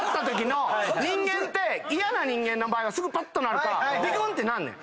人間って嫌な人間の場合はすぐぱっとなるかビクンってなんねん。